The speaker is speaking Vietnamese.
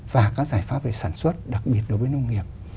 và các giải pháp về sản xuất đặc biệt đối với nông nghiệp